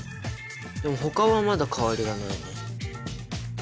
でもほかはまだ変わりがないね。